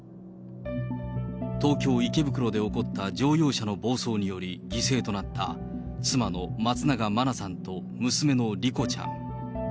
東京・池袋で起こった乗用車の暴走により、犠牲となった妻の松永真菜さんと娘の莉子ちゃん。